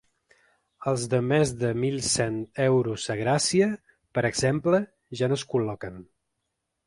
Els de més de mil cent euros a Gràcia, per exemple, ja no es col·loquen.